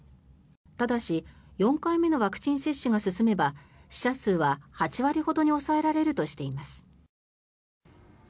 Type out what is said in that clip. ただし４回目のワクチン接種が進めば死者数は８割ほどに抑えられるとしています。